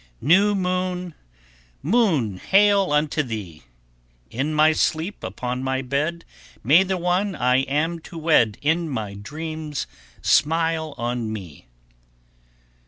_ 1082. New moon, moon, Hail unto thee! In my sleep upon my bed, May the one I am to wed In my dreams smile on me.